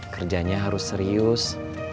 kerjanya harus serius